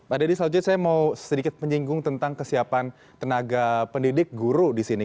pak dedy selanjutnya saya mau sedikit menyinggung tentang kesiapan tenaga pendidik guru di sini